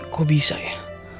kok bisa ya